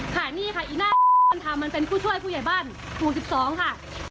ค่ะนี่ค่ะอีหน้ามันเป็นผู้ช่วยผู้ใหญ่บ้านภูมิสิบสองค่ะ